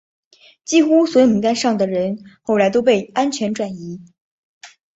几乎所有名单上的人后来都被安全转移。